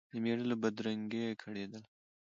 د مېړه له بدرنګیه کړېدله